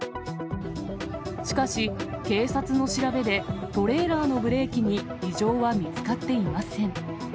しかし、警察の調べで、トレーラーのブレーキに異常は見つかっていません。